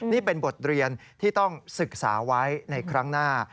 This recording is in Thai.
นี่เป็นบทเรียนที่ต้องศึกษาไว้ในครั้งหน้า